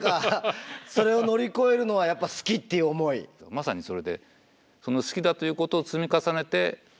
まさにそれで。